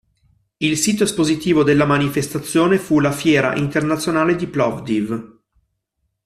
Il sito espositivo della manifestazione fu la Fiera Internazionale di Plovdiv.